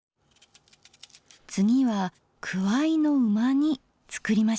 次はくわいの旨煮つくりましょうか。